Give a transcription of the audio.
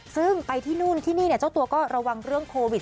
ซึ่งไปที่นู่นที่นี่เจ้าตัวก็ระวังเรื่องโควิด